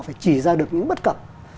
phải chỉ ra được những bất cập